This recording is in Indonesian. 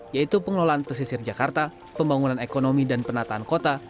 yaitu pengelolaan pesisir jakarta pembangunan ekonomi dan penataan kota